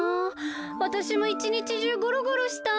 わたしもいちにちじゅうゴロゴロしたい。